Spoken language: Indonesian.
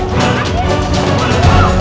bisa diam kalau